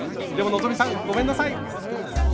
でも希さんごめんなさい！